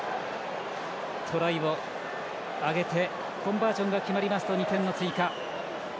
トライを挙げてコンバージョンが決まりますと２点を追加。